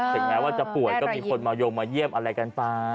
ถึงแม้ว่าจะป่วยก็มีคนมาโยงมาเยี่ยมอะไรกันไป